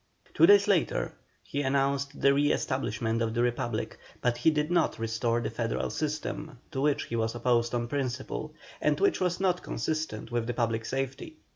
Two days later he announced the re establishment of the Republic, but he did not restore the federal system, to which he was opposed on principle, and which was not consistent with the public safety.